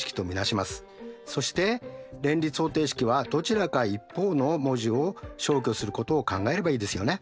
そして連立方程式はどちらか一方の文字を消去することを考えればいいですよね。